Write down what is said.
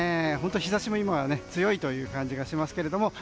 日差しも強いという感じがしますけども。